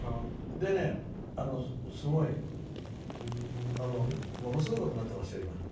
でね、ものすごいことになっていますよ、今。